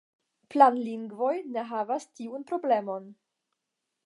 Planlingvoj ne havas tiun problemon.